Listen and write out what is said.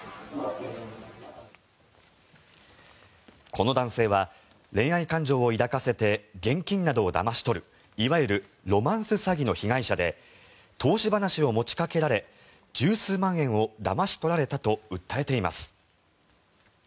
この男性は恋愛感情を抱かせて現金などをだまし取るいわゆるロマンス詐欺の被害者で投資話を持ちかけられ１０数万円をだまし取られたと訴えています。